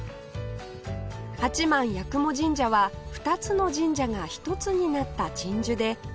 八幡八雲神社は２つの神社が１つになった鎮守で社紋は２つ